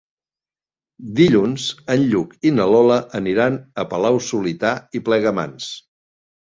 Dilluns en Lluc i na Lola aniran a Palau-solità i Plegamans.